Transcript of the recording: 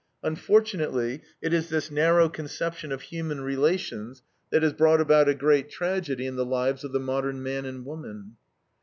Unfortunately, it is this narrow conception of human relations that has brought about a great tragedy in the lives of the modern man and woman.